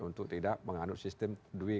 untuk tidak menganut sistem dwi